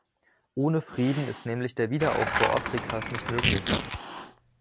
Ohne Frieden ist nämlich der Wiederaufbau Afrikas nicht möglich.